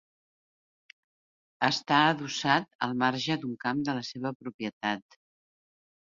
Està adossat al marge d'un camp de la seva propietat.